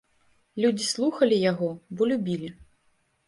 Людзі слухалі яго, бо любілі.